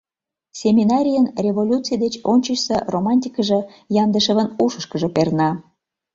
Семинарийын революций деч ончычсо романтикыже Яндышевын ушышкыжо перна.